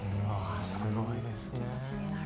すごいですね。